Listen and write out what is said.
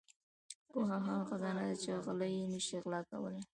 • پوهه هغه خزانه ده چې غله یې نشي غلا کولای.